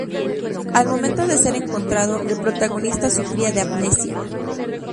Al momento de ser encontrado, el protagonista sufría de amnesia.